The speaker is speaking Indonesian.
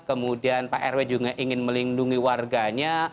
kemudian pak rw juga ingin melindungi warganya